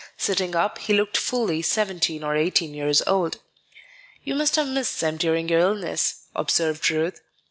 Sitting up, he looked fully seventeen or eighteen years old. "You must have missed them during your illness," observed Ruth.